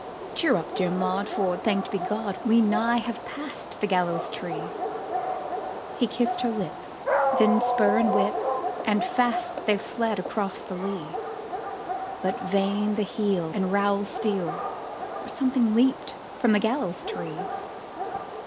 "Cheer up, dear Maud, for, thanked be God, We nigh have passed the gallows tree!" He kissed her lip; then spur and whip! And fast they fled across the lea! But vain the heel and rowel steel, For something leaped from the gallows tree!